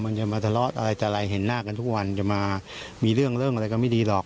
จะมาทะเลาะอะไรแต่ไรเห็นหน้ากันทุกวันจะมามีเรื่องเรื่องอะไรก็ไม่ดีหรอก